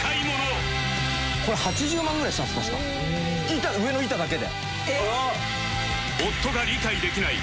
板上の板だけで。